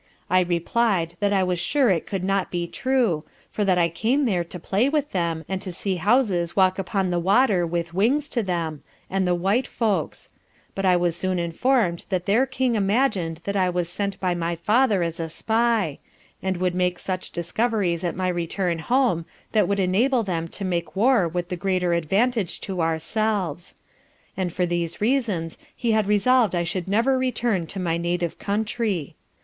I reply'd that I was sure it could not be true, for that I came there to play with them, and to see houses walk upon the water with wings to them, and the white folks; but I was soon inform'd that their King imagined that I was sent by my father as a spy, and would make such discoveries at my return home that would enable them to make war with the greater advantage to ourselves; and for these reasons he had resolved I should never return to my native country.